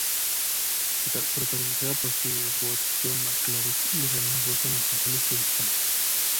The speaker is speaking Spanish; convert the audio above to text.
Protagonizada por Clint Eastwood, John Malkovich y Rene Russo en los papeles principales.